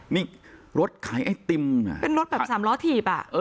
นี่รถขายไอติมเป็นรถแบบสามล้อถีบอ่ะ